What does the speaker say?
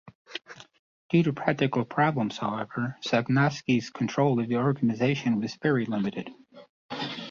Due to practical problems, however, Sosnkowski's control of the organization was very limited.